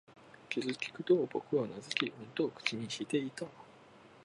気づくと、僕はうなずき、うんと口にしていた